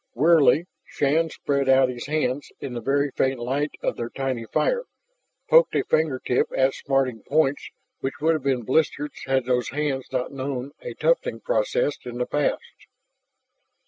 Wearily, Shann spread out his hands in the very faint light of their tiny fire, poked with a finger tip at smarting points which would have been blisters had those hands not known a toughening process in the past.